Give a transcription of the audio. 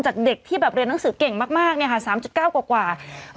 จากเด็กที่แบบเรียนหนังสือเก่งมาก๓๙กว่า